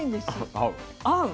合う。